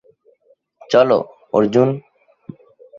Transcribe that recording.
চলো, অর্জুন।